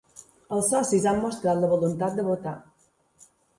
Els socis han mostrat la voluntat de votar.